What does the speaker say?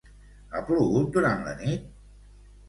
Ha plogut durant la nit?